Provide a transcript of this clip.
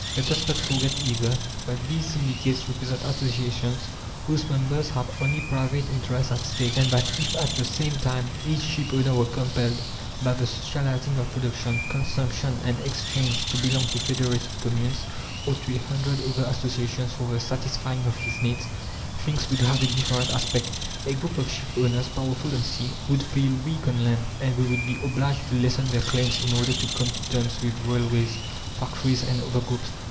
Let us not forget either, that these syndicates represent associations whose members have only private interests at stake, and that if at the same time each shipowner were compelled by the socializing of production, consumption, and exchange to belong to federated Communes, or to a hundred other associations for the satisfying of his needs, things would have a different aspect. A group of shipowners, powerful on sea, would feel weak on land, and they would be obliged to lessen their claims in order to come to terms with railways, factories, and other groups.